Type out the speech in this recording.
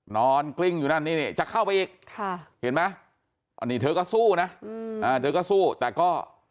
นอนกริ้งอยู่นั่นนี่จะเข้าไปอีกเธอก็สู้แต่ก็